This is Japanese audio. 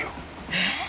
えっ？